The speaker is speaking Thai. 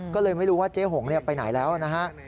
ก็เลยไม่รู้ว่าเจ๊หงไปไหนแล้วนะฮะ